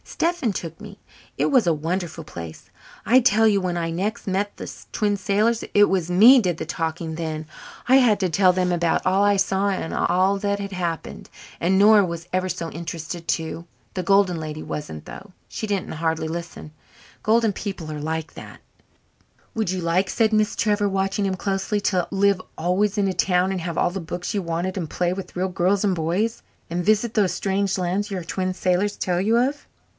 Stephen took me. It was a wonderful place. I tell you, when I next met the Twin Sailors it was me did the talking then. I had to tell them about all I saw and all that had happened. And Nora was ever so interested too. The Golden Lady wasn't, though she didn't hardly listen. Golden people are like that." "Would you like," said Miss Trevor, watching him closely, "to live always in a town and have all the books you wanted and play with real girls and boys and visit those strange lands your twin sailors tell you of?"